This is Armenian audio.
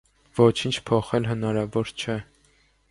Ոչինչ փոխել հնարավոր չէ։